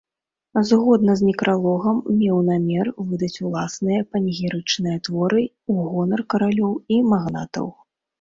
Згодна з некралогам меў намер выдаць ўласныя панегірычныя творы у гонар каралёў і магнатаў.